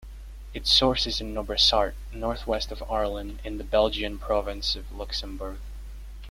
Its source is in Nobressart, north-west of Arlon, in the Belgian province Luxembourg.